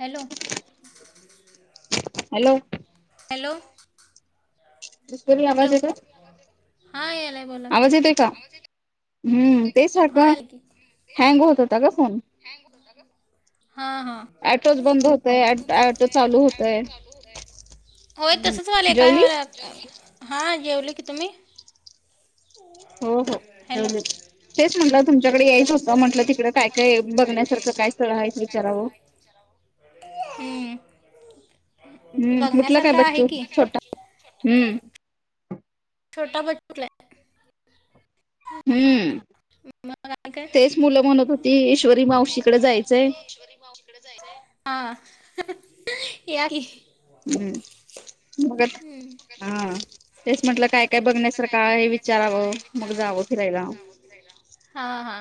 Hello. Hello. Hello. ईश्वरीला आवाज hello येतोय, हां यायलाय बोला की आवाज येतोय का? हम्म ते हां सारखं,, हँग होत होता गं फोन. हँग होता ग,, हा हा. अँटोच बंद होतय, अँटोच चालू होतय. होय तसंच व्हायलय, काय जेवली व्हायलय काय व्हायलय, का जेवलीस हा जेवले की, तुम्ही? हो हो हॅलो जेवले. तेच म्हटलं तुमच्याकडे यायच होतं म्हटलं तिकडे काय काय बघण्यासारखं काय स्थळ आहेत विचारावं. हम्म. हम्म उठलं काय बघण्यासारखं आहे बच्चू,, की छोटा,, हम्म. छोटा बचू उठलाय. हम्म मग आणि काय तेच मुल म्हणत होती ईश्वरी मावशीकडे जायचय. ईश्वरी मावशी [unintelligible] हां या की. हम्म मग हम्म. आता हां तेच म्हटल काय काय बघण्यासारख आहे विचाराव मग जाव फिरायला. हां हां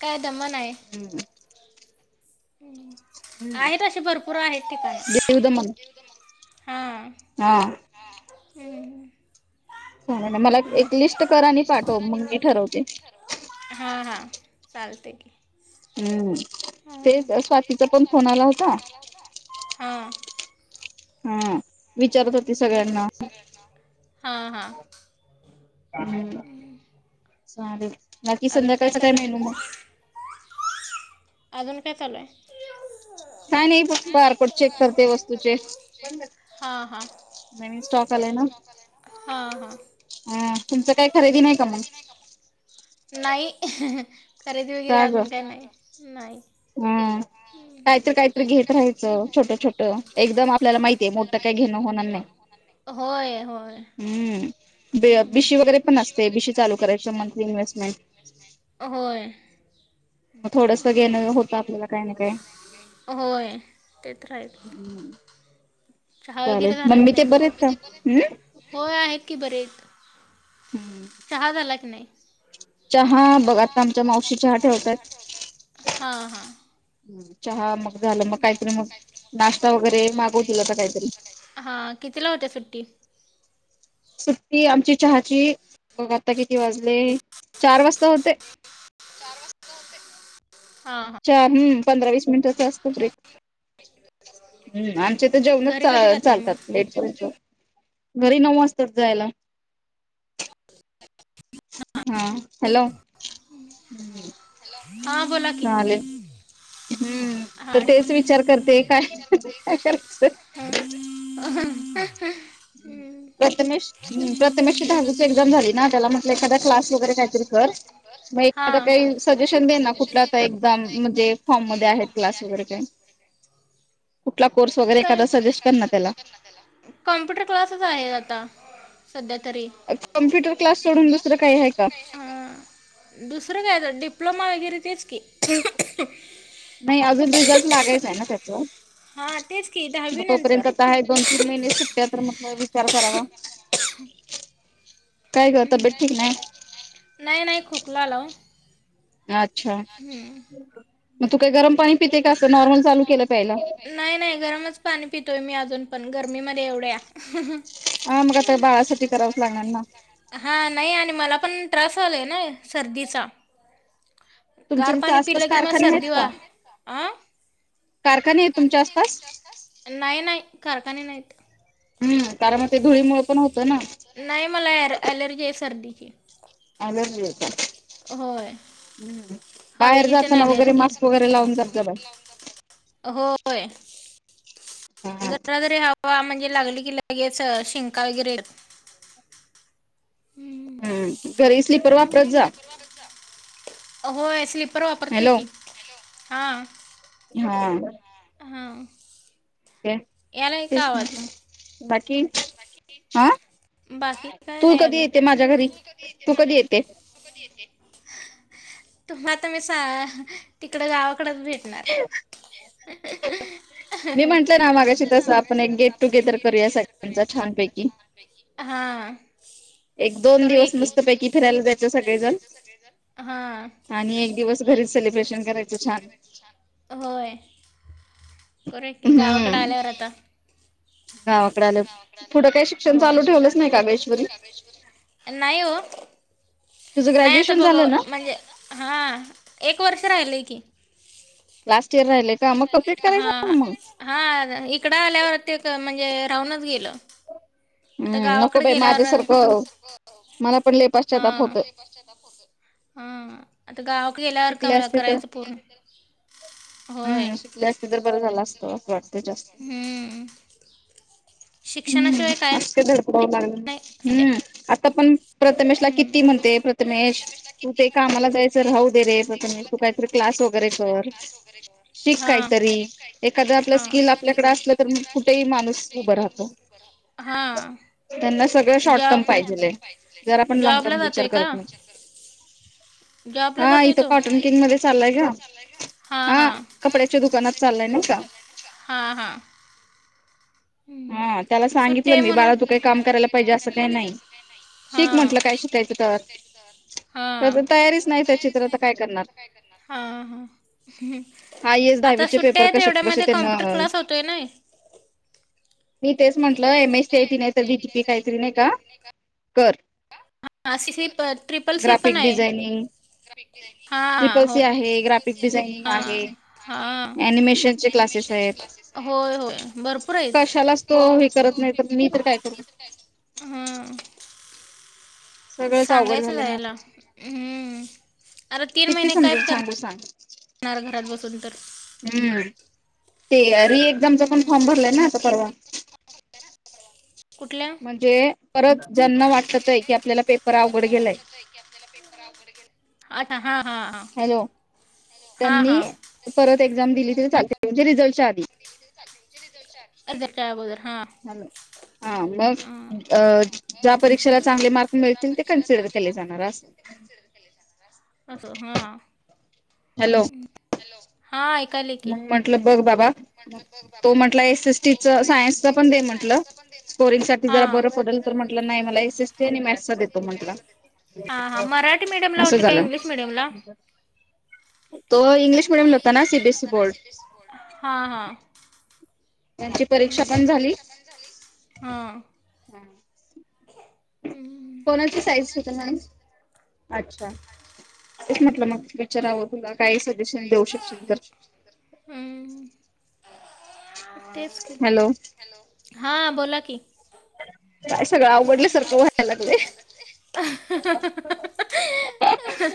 काय दमन आहे. हम्म हम्म आहेत तशी भरपूर आहेत ठिकाण दीव दमन हा. हा हम्म चालेल ना मला एक लिस्ट करा आणि पाठवा मग मी ठरवते. हां हां चालतय की. हम्म हम्म हां तेच तर स्वातीचा पण फोन आला होता. हां हम्म विचारत होती सगळ्यांना? सगळ्यांना. हां हां हम्म चालल बाकी अजून संध्याकाळचा काय चालू आहे मेनू मग? अजून काय चालू आहे. काय नाही बस बारकोड चेक करते वस्तूचे. हां हां नवीन स्टॉक आलाय ना. हां हां तुमच काय खरेदी नाही का मग? नाही खरेदी वगैरे का ग अजून काही नाही नाही. हम्म काहीतरी काहीतरी घेत रहायच छोट छोट एकदम आपल्याला माहितीये मोठ काही घेण होणार नाही. होय होय हम्म बे बिशी वगैरे पण असते बिशी चालू करायचं मंथली इन्व्हेस्टमेंट होय मग थोडस घेण होत आपल्याला काही ना काय. होय ते तर आहेत चहा चालेल वगैरे झाला की मम्मी नाही ते बरे आहेत काय? हम्म होय आहेत की बरे. हम्म चहा झाला की नाही? चहा बघ आता आमच्या मावशी चहा ठेवतात हां हां चहा मग झाल मग काहीतरी मग नाश्ता वगैरे मागवतील आता काहीतरी. हां कितीला होते सुट्टी? सुट्टी आमची चहाची बघ आत्ता किती वाजले चार वाजता होते. हां हां चहा हम्म पंधरा वीस मिनिटाचा असतोय. हम्म आमच्या इथ जेवणच घरी कधी जात आहे मग चालतात एक. घरी नऊ वाजतात जायला. हा हॅलो हां बोला की चालेल. हम्म हां तर तेच ठीक विचार करते काय काय करायच? [inaudible] प्रथमेश. ह प्रथमेश ची दहावीची एक्झाम झाली ना, त्याला म्हटलं एखादा क्लास वगैरे काहीतरी कर. मग एखादा हां काही सजेशन दे ना, कुठला? एकदम म्हणजे फॉर्म मध्ये आहे, क्लास वगैरे काही? काय? वगैरे एखादा सजेस्ट कर ना त्याला. कॉम्प्युटर क्लासच आहे, आता सध्या तरी. कम्प्युटर क्लास सोडून दुसरं काही आहे का? दुसरं काय आता, डिप्लोमा वगैरे तेच की. नाही अजून रिझल्ट लागायच हे ना त्याचा, हा तेच की मग दहावी तो नंतर पर्यंत आहेत दोन तीन महिने सुट्ट्या हेत, तर म्हटलं विचार करावा. काय ग हम् तब्येत काय ठीक नाही करता नाही नाही खोकला आला वो. अच्छा! मग तू काय गरम पाणी पिते का? असं नॉर्मल चालू केलं प्यायला. नाही नाही गरमच पाणी पितोय, मी अजून पण गरमीमध्ये एवढ्या. ह मग आता बाळा साठी करावं. लहान ना. हा नाही आणि मला पण त्रास व्हायलाय ना या सर्दीचा. तुमच्या गार तिथे पाणी आसपास पिलं किं मग कारखाने आहेत सर्दी वा का अं. कारखाने आहेत तुमच्या आसपास, नाही नाही कारखाने नाहीत. हम! कारण, मग ते धुळीमुळे पण होतं ना? नाही मला यार. एलर्जी हे सर्दीची. एलर्जी होती. होय हू बाहेर हवेची तेन जाताना वगैरे अलर्जी मास्क आहे वगैरे लावून जात जा बाई. होय, हा. जरा जरी आप वाफ म्हणजे लागली की लगेच शिंका वगैरेे येतात. ह घरी स्लीपर वापरत जा. होय स्लीपर वापरतोय की, हॅलो हा. हा आ. हा. के. यालय का आवाज बाकी अ बाकी काय तू नाही कधी अजून येते माझ्या घरी, तू कधी येते? तू कधी येते? तुम्हा आता मी सां तिकड गावाकडच भेट नार. मी म्हटलं ना, मागाशी तसं आपण एक गेट टुगेदर करूया सगळ्यांचा छानपैकी. विकी हा. एक दोन दिवस मस्तपैकी फिरायला जायचं सगळेजण. सगळेजण हा. आणि एक दिवस घरीच सेलिब्रेशन करायचं छान. होय करूया की, गावाकड हम्म आल्यावर आता. गावाकडे आल्यावच. पुढं काय शिक्षण होय चालू ठेवलंच नाही का ईश्वरी? नाही ओ तुझं नाही आता, ग्रॅज्युएशन बघ झालं ना? म्हणजे हा एक वर्ष राहिलय की? लास्ट इयर राहिलेय का, मग कम्प्लीट करायचं हा ना मग? हा इकडं आल्यावर, ते क म्हणजे राहूनच गेलं. आता हम्म नको गावाकडे बाई गेल्यावर माझ्यासारखं,, मला पण लय प हा हा. आता गावात गेल्यावर शिकले कमला असते तर करायचा पूर्ण,, होय. केली असतीस तरर बरं झालं असतं, असं वाटतय जास्त. हम्म हम्म शिक्षणाशिवाय काय असक धडपव लागल, नाही सध्या हम्म, आता पण प्रथमेश ला हम्म किती म्हणते, प्रथमेश तू ते कामाला जायचं राहू दे रे प्रथमेश. तू काय तर क्लास वगैरे कर, शिक हा काहीतरी,, एकाद आपलं हा स्कील आपल्याकडे असलं तर तर मग कुठंही माणूस उभं राहतं. हा. त्यांना सगळं शॉर्ट जॉब टर्म पाहिजेल आहे,, जरा पण लॉग जॉबला टर्म विचार जातोय का करत नाहीत. जॉबला हा जातोय इथं तो कॉटन किंग मध्ये चाललाय ग,, हा. कपड्याच्या दुकानात चाललाय नवं का. हा हा. हा. त्याला सुट्टे सांगितलं आहे मी म्हणून,, बाळा तू काही काम बाळा तु करायला काम पाहिजे असं करायला काही पाहिजे नाही. असं काही नाही, शिक हा, म्हटलं काय शिक म्हटलं शिकायचं काय तर. शिकायचं हा,, तर तयारीच बाकी नाही त्याची तयारीच तर नाही आता काय त्याची तर करणार? आता काय करणार, हा हा. हा येस आता दहावीचे सुट्ट्या पेपर आहे कसे बसे तेवढ्यामध्ये त्यांना कॉम्प्युटर क्लास होतोय नाय. म्हंटलं M S C I T नाही तर डीटीपी काहीतरी नाही का,, कर. हा सी सी पण ट्रिपल सी पण ग्राफिक आहे. डिझायनिंग हा ट्रिपल सी होय,, आहे, ग्राफिक डिझायनिंग हा आहे. हा अनिमेशनचे क्लासेस आहेत. होय होय, भरपूर आहेत. कशालाच तो हे करत नाही तर मी तर काय करू. हां. सगळंच अवघड सांगायचं झालंय जायला,, माझं हम्म,, अरे तीन महिने काय करणार तू सांग होणार घरात बसून तर. हम्म,, ते रि एक्झामचा पण हम्म फॉर्म भरलाय ना आता परवा कुठल्या? जे परत ज्यांना वाटतय की, आपल्याला पेपर अवघड गेलाय अच्छा हा हा हा. हॅलो हा त्यांनी, हा परत एक्झाम दिली तर चालतय, म्हणजे रिझल्टच्या आधी म्हणजे रिझल्टच्या अगोदर,, हां. ह हा मग, हां ज्या परीक्षेला चांगले मार्क ज्या मिळतील ते परीक्षेला कन्सिडर चांगले केले मार्क जाणार अस पडतील ते कनसिडर केले जाते असं असं,, हा हा हॅलो हॅलो हा ऐकाले की टलं बघ बाबा, तो म्हटला एस एस टी च सायन्सच पण दे म्हटलं,, स्टोरेजसाठी ते हां जरा बरं पडल,, तर म्हटलं नाही मला एस एसटी आणि मॅथ्सच देतो म्हंटला. हां हां मराठी मीडियमला असं होते का झालं. इंग्लिश मीडियमला तो इंग्लिश मीडियम ला होता ना सीबीएसई बोर्ड सीबीएससी बोर्ड हा हा. त्यांची हम्म परीक्षा हम्म ह पण झाली. परीक्षा पण झाली,, हा. हा. हम्म, कोणाची साईज होती मॅडम,, अच्छा तेच म्हटल मग विचराव तुला काय सजेशन देऊ शकशील तर. हम्म. हॅलो. हां बोला की काय सगळ आवघडल्या सारख वाटायलय.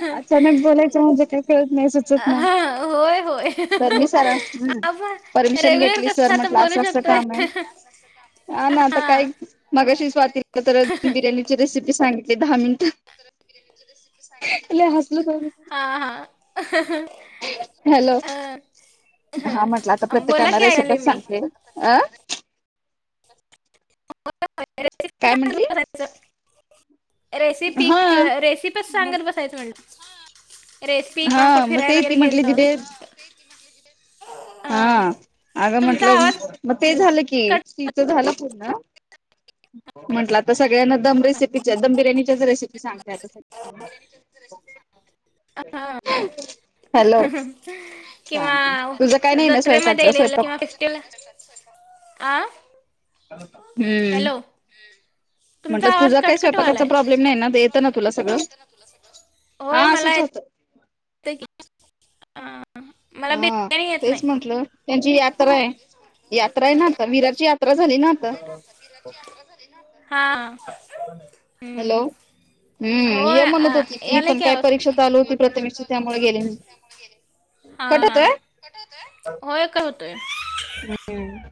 अचानक बोलायच म्हणजे काय कळत नाही, सुचत नाही. हां होय होय तर मी सरळ आपण परमिशन रेग्युलर घेतली सर कसं आता म्हंटल अस बोलू अस शकतोय काम आहे. हां ना आता काय मगाशी स्वाती तर बिर्याणीची रेसिपी सांगितली दहा मिनिटात. हसलो हां दोघी पण हां. हॅलो हां म्हटल आता बोला प्रत्येकाला की ऐकायले रेसिप्याच मी सांगते. रेसिपी काय सांगत म्हंटली? रेसिपी हा रेसिपीच सांगत बसायच म्हणल. रेसीपी किंवा कुठ हा मग फिरायला ते वगैरे ती म्हटली गेलतो. हां अग म्हंटल आवाज मग ते झाल की कट तिच झाल पूर्ण. म्हटल आता सगळ्यांना दम रेसिपीच्या, दम बिर्याणीच्या च्या रेसिपी सांगते आता सगळ्यांना. हां. हॅलो किंवा तुझ काही नाही ना स्वयंपाच स्वयंपाक. केला आ. हम्म हॅलो तुमचा म्हटल आवाज तुझा काही कटकट स्वयंपाकाचा वालाय प्रॉब्लेम नाही ना येत ना तुला सगळ? होय हा मला असच होत. हां हां हां तेच म्हंटल त्यांची या यात्रा आहे ना आता विराची यात्रा झाली ना आता. हां हां हम्म हॅलो हम्म ये होय म्हणत आ, होती ती यालाय पण की काय आवाज परीक्षा तुमचा चालू होती प्रथमेश ची त्यामुळ गेली नाही. कट हां हां होतोय होय होतोय. हम्म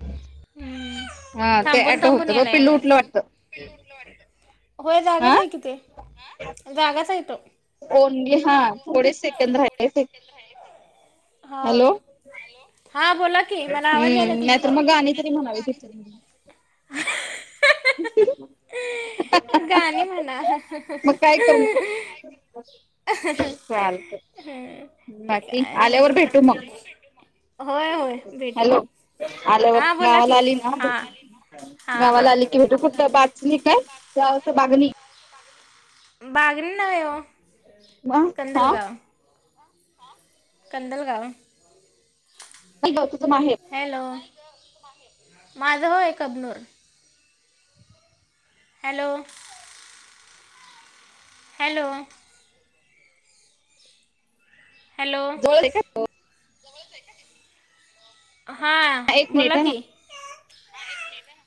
हम्म हा ते थांबून ऍटो थांबून होत बघ यायलाय पिल्लू आवाज. उठलं वाटतं. होय हा जागाच आहे की ते, जागाच आहे तो. बोलणी हां थोडेच सेकंद राहिलेत. हां हां बोला की मला आवाज आला हम्म नाहीतर तुमचा मग गाणी तरी म्हणावी तिथ. [inaudible] गाणी म्हणा. मग काय कर मग चालत [inaudible] बाकी नाही आल्यावर भेटू मग. होय होय. भेटू हॅलो की आल्यावर हां बोला गावाला की आली ना. हां हां गावाला हां आली की भेटू कुठ बाचणी काय बागणी. बागनी नाही ओ हा कंदलगाव. कंदलगाव. [unintelligible] तुझ माहेर. हॅलो माझ होय कबनूर. हॅलो. हॅलो. हॅलो जवळ आहे का हां. एक मिनिट बोला हां. की